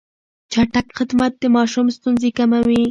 چټک خدمت د ماشوم ستونزې کموي.